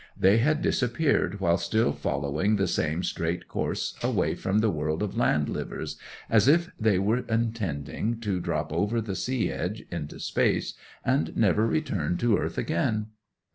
They had disappeared while still following the same straight course away from the world of land livers, as if they were intending to drop over the sea edge into space, and never return to earth again.